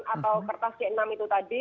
atau kertas c enam itu tadi